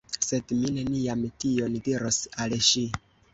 Sed mi neniam tion diros al ŝi.